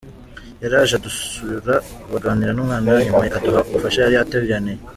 Yaraje aradusura baganira n’umwana , nyuma aduha ubufasha yari yatugeneye.